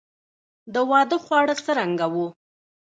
د واده خواړه څرنګه وو؟